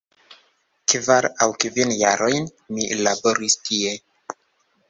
Kvar aŭ kvin jarojn, mi laboris tie.